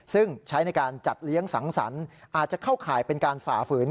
ซึ่งใช้ในการจัดเลี้ยงสังสรรค์อาจจะเข้าข่ายเป็นการฝ่าฝืน